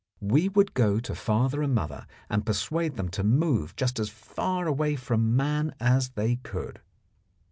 We would go to father and mother and persuade them to move just as far away from man as they could.